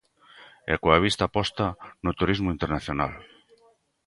E coa vista posta no turismo internacional.